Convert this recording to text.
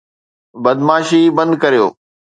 بدمعاشي بند ڪريو